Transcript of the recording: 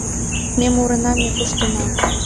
Ме мурена, ме куштена